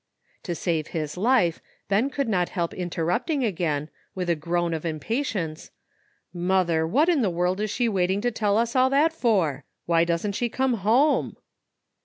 [To save his life, Ben could not help interrupting again, with a groan of impatience: ^'Mother! what in the world is she waiting to tell us all that for? Why doesn't she come home?"